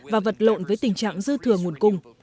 và vật lộn với tình trạng dư thừa nguồn cung